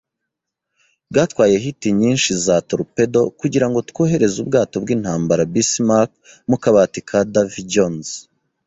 Byatwaye hit nyinshi za torpedo kugirango twohereze ubwato bwintambara Bismarck mukabati ka Davy Jones.